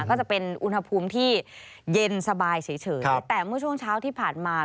ก็จะเป็นอุณหภูมิที่เย็นสบายเฉยแต่เมื่อช่วงเช้าที่ผ่านมา